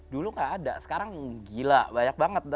dulu nggak ada sekarang gila banyak banget